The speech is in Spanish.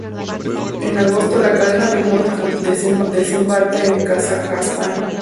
En agosto, la cadena de moda infantil desembarca en Kazajstán.